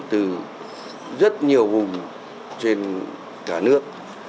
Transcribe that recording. từ rất nhiều vùng trên cả nước